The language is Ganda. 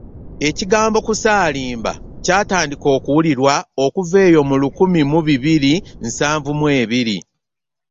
Ekigambo “Kusaalimba” kyatandika okuwulirwa okuva eyo mu lukumi mu bibiri nsanvu mu ebiri.